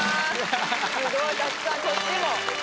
すごいたくさんこっちも！